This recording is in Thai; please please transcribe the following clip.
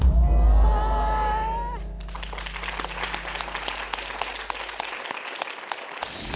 โอ้โห